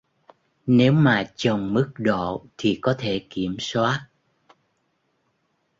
Nếu mà chồng mức độ thì có thể kiểm soát